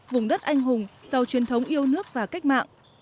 vùng đất anh hùng giàu truyền thống yêu nước và cách mạng